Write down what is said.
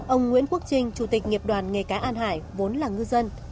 ông nguyễn quốc trinh chủ tịch nghiệp đoàn nghề cá an hải vốn là ngư dân